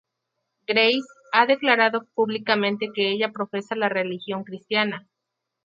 Grace ha declarado públicamente que ella profesa la religión cristiana.